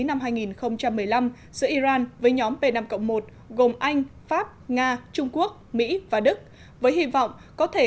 năm hai nghìn một mươi năm giữa iran với nhóm p năm một gồm anh pháp nga trung quốc mỹ và đức với hy vọng có thể